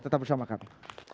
tetap bersama kami